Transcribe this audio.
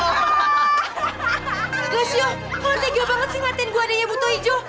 glesio lo nanti gila banget sih ngatain gue adiknya buto ijo